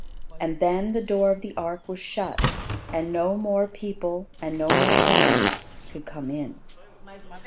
And then the door of the ark was shut and no more people and no more animals could come in.